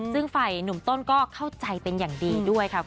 ซึ่งฝ่ายหนุ่มต้นก็เข้าใจเป็นอย่างดีด้วยค่ะ